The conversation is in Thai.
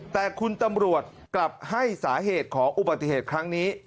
แต่คุณตำรวจกลับให้สาเหตุของอุบัติเหตุครั้งนี้